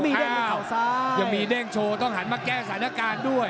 มีเด้งยังมีเด้งโชว์ต้องหันมาแก้สถานการณ์ด้วย